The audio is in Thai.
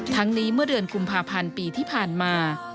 ทั้งนี้เมื่อเดือนกุมภาพันธ์ปีที่ผ่านมา